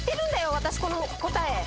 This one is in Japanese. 私この答え。